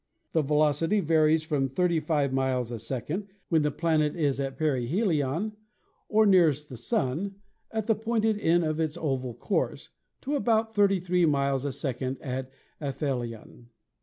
The velocity varies from thirty five miles a second, when the planet is at perihelion or nearest the Sun at the pointed end of its oval course, to about twenty three miles a sec ond at aphelion.